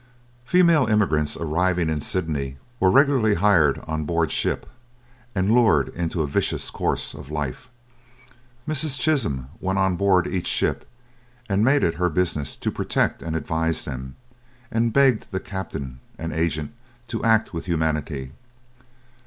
Female immigrants arriving in Sydney were regularly hired on board ship, and lured into a vicious course of life. Mrs. Chisholm went on board each ship, and made it her business to protect and advise them, and begged the captain and agent to act with humanity.